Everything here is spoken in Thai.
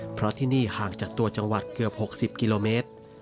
เพราะที่นี่ห่างจากตัวจังหวัดเกือบ๖๐กิโลเมตร